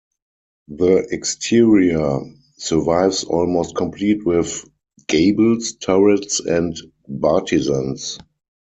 The exterior survives almost complete with gables, turrets and bartizans.